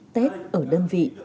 tết ở đơn vị